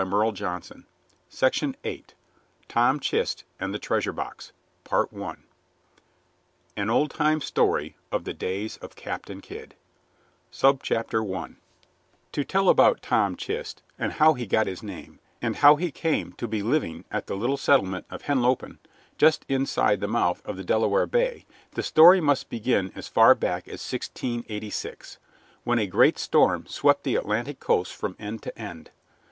Chapter IV TOM CHIST AND THE TREASURE BOX An Old time Story of the Days of Captain Kidd I To tell about Tom Chist, and how he got his name, and how he came to be living at the little settlement of Henlopen, just inside the mouth of the Delaware Bay, the story must begin as far back as 1686, when a great storm swept the Atlantic coast from end to end.